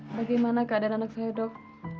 bagaimana keadaan anak saya dok